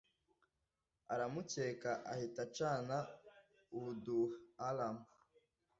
aramukeka ahita acana ubuduha(alarm).